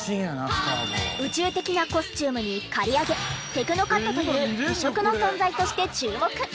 宇宙的なコスチュームに刈り上げテクノカットという異色の存在として注目！